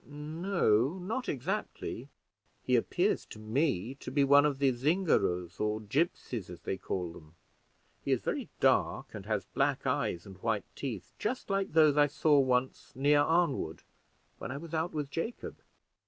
"No, not exactly: he appears to me to be one of the Zingaros or Gipsies, as they call them: he is very dark, and has black eyes and white teeth, just like those I saw once near Arnwood, when I was out with Jacob.